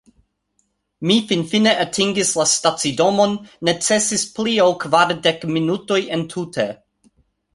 Mi finfine atingis la stacidomon necesis pli ol kvardek minutoj entute